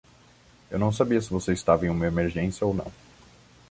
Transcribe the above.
Eu não sabia se você estava em uma emergência ou não.